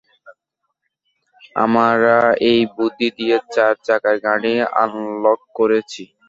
আমরা এই বুদ্ধি দিয়েই চার- চাকার গাড়ি আনলক করেছি।